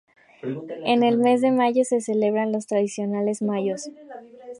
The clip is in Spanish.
En el mes de mayo se celebran los tradicionales Mayos.